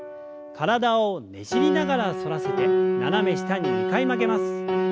体をねじりながら反らせて斜め下に２回曲げます。